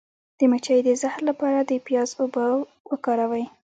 د مچۍ د زهر لپاره د پیاز اوبه وکاروئ